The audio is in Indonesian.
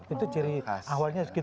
itu ciri awalnya